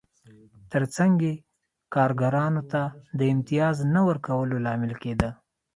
ترڅنګ یې کارګرانو ته د امتیاز نه ورکولو لامل کېده